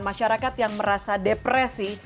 masyarakat yang merasa depresi